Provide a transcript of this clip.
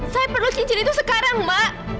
saya perlu cincin itu sekarang mbak